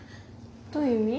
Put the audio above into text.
どういう意味？